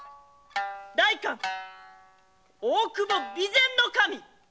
「代官大久保備前守！」